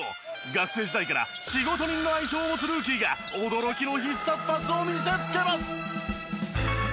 学生時代から「仕事人」の愛称を持つルーキーが驚きの必殺パスを見せつけます。